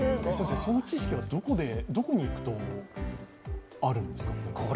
その知識はどこに行くとあるんですかね？